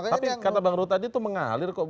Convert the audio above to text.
tapi kata bang ru tadi itu mengalir kok